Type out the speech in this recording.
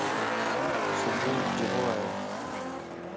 صبح جمع ائي